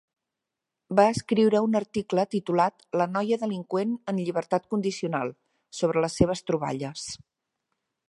Va escriure un article titulat "La noia delinqüent en llibertat condicional" sobre les seves troballes.